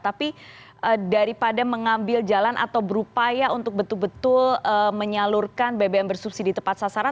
tapi daripada mengambil jalan atau berupaya untuk betul betul menyalurkan bbm bersubsidi tepat sasaran